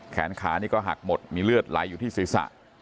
แขนขานี่ก็หักหมดมีเลือดไหลอยู่ที่ศีรษะ